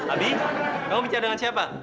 abi kamu bicara dengan siapa